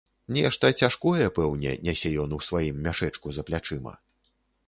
Нешта цяжкое, пэўне, нясе ён у сваім мяшэчку за плячыма.